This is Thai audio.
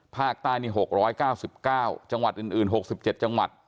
ภาคใต้นี่๖๙๙จังหวัดอื่น๖๗จังหวัด